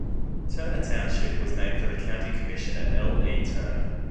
Turner Township was named for county commissioner L. E. Turner.